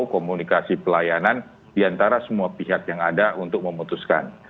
komunikasi pelayanan diantara semua pihak yang ada untuk memutuskan